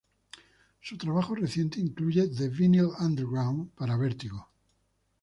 Su trabajo reciente incluye "The Vinyl Underground" para "Vertigo".